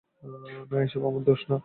না, এসব আমার দোষ না!